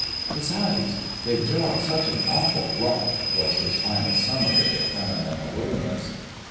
"... Besides, they jaw such awful rot," was his final summary of feminine allurements.